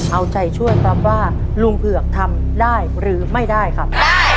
เอาใจช่วยครับว่าลุงเผือกทำได้หรือไม่ได้ครับ